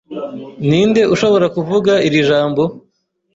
Ninde ushobora kuvuga iri jambo?